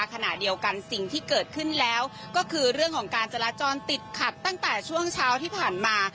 ขณะเดียวกันสิ่งที่เกิดขึ้นแล้วก็คือเรื่องของการจราจรติดขัดตั้งแต่ช่วงเช้าที่ผ่านมา